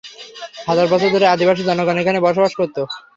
হাজার বছর ধরে আদিবাসী জনগণ এখানে বসবাস করত।